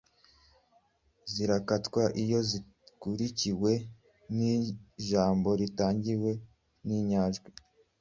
zirakatwa iyo zikurikiwe n’ijambo ritangiwe n’inyajwi,